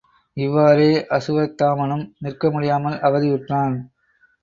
இவ்வாறே அசுவத்தாமனும் நிற்க முடியாமல் அவதியுற்றான்.